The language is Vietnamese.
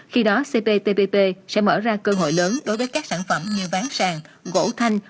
khi đó cptpp sẽ mở ra cơ hội lớn đối với các sản phẩm như bán sàng gỗ thanh